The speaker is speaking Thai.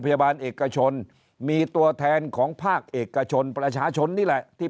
พยาบาลเอกชนมีตัวแทนของภาคเอกชนประชาชนนี่แหละที่